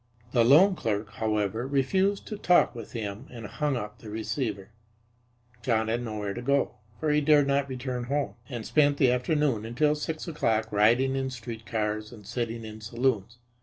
The loan clerk, however, refused to talk with him and hung up the receiver. John had nowhere to go, for he dared not return home, and spent the afternoon until six o'clock riding in street cars and sitting in saloons.